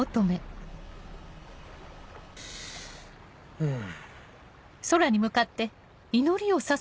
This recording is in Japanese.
うん。